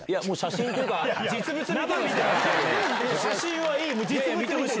写真はいい！